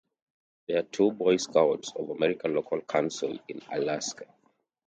There are two Boy Scouts of America local councils in Alaska.